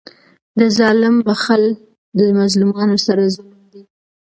د ظالم بخښل د مظلومانو سره ظلم دئ.